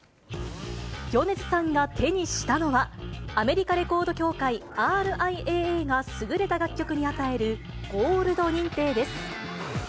米津さんが手にしたのは、アメリカレコード協会・ＲＩＡＡが優れた楽曲に与えるゴールド認定です。